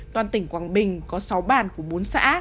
toàn tỉnh quảng bình có sáu bàn của bốn xã